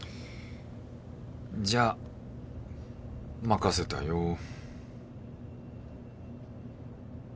「じゃあ、任せたよ」。